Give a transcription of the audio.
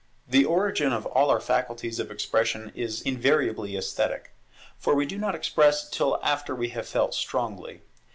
The origin of all our faculties of expression is invariably esthetic; for we do not express till after we have felt strongly.